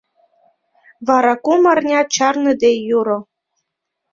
Вара кум арня чарныде йӱрӧ.